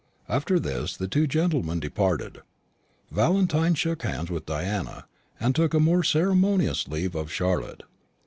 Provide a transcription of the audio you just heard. After this the two gentlemen departed. Valentine shook hands with Diana, and took a more ceremonious leave of Charlotte.